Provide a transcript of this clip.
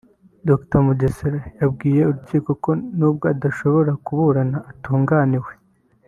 Dr Mugesera yabwiye urukiko ko nubwo adashobra kuburana atunganiwe